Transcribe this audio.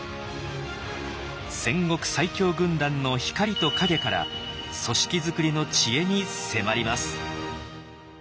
戦国最強軍団の光と影から組織づくりの知恵に迫ります。